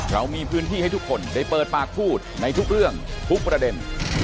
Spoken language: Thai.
เรามีพื้นที่ให้ทุกคนได้เปิดปากพูดในทุกเรื่องทุกประเด็น